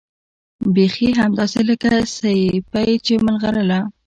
بيخي همداسې لکه سيپۍ چې ملغلره